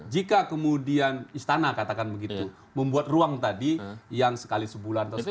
jika kemudian istana katakan begitu membuat ruang tadi yang sekali sebulan atau sekali